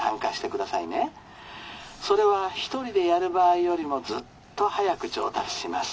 それは一人でやる場合よりもずっと早く上達します。